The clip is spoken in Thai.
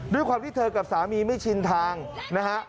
ด้วยความที่เธอกับสามีไม่ชินทางนะฮะ